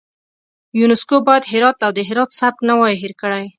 یونسکو باید هرات او د هرات سبک نه وای هیر کړی.